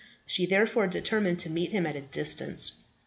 She therefore determined to meet him at a distance.